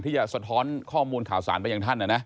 ที่จะสดท้อนข้อมูลข่าวสารไปอย่างท่านนะนะ